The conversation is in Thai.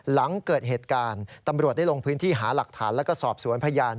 หลังเกิดเหตุการณ์ตำรวจได้ลงพื้นที่หาหลักฐานแล้วก็สอบสวนพยาน